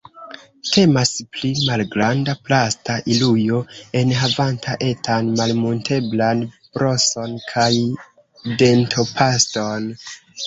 Temas pri malgranda plasta ilujo enhavanta etan malmunteblan broson kaj dentopaston.